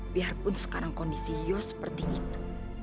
biarpun sekarang kondisi yos seperti itu